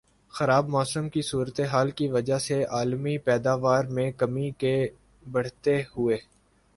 خراب موسم کی صورتحال کی وجہ سے عالمی پیداوار میں کمی کے بڑھتے ہوئے